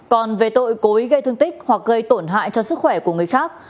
còn về tội cố ý gây thương tích hoặc gây tổn hại cho sức khỏe của người khác